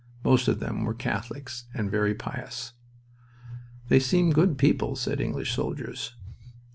Most of them were Catholics, and very pious. "They seem good people," said English soldiers.